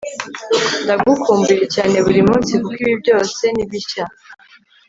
ndagukumbuye cyane burimunsi, kuko ibi byose ni bishya